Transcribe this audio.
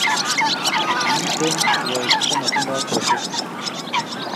Miten rwaik che matindo kwoshek